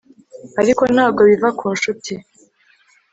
ariko ntabwo biva ku nshuti